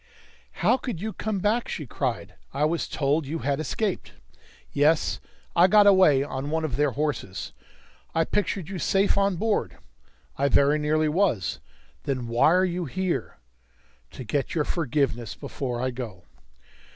"How could you come back?" she cried. "I was told you had escaped!" "Yes, I got away on one of their horses." "I pictured you safe on board!" "I very nearly was." "Then why are you here?" "To get your forgiveness before I go."